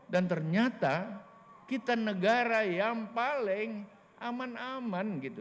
dan ternyata kita negara yang paling aman aman gitu